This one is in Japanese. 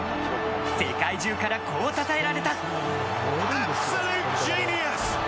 世界中からこうたたえられた。